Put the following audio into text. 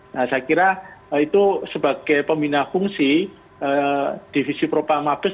saya kira itu sebagai pembina fungsi divisi propam mabes